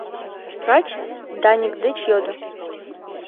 — врач Даник деч йодо.